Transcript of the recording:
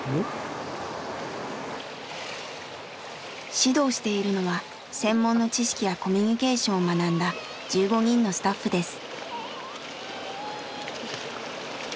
指導しているのは専門の知識やコミュニケーションを学んだ１５人のスタッフです。